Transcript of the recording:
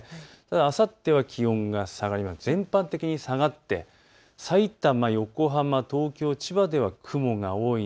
あさっては全体的に下がってさいたま、横浜、東京、千葉では雲が多い。